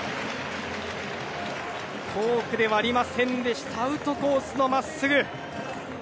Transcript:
フォークではありませんでしたアウトコースの真っすぐ。